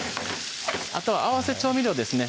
あとは合わせ調味料ですね